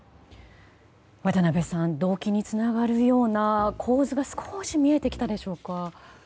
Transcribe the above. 渡辺さん動機につながるような構図も少し見えてきたでしょうか。